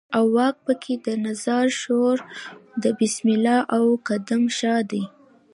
او واک په کې د نظار شورا د بسم الله او قدم شاه دی.